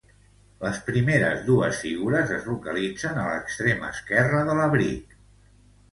Les primeres dues figures es localitzen a l'extrem esquerre de l'abric.